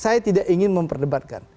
saya tidak ingin memperdebatkan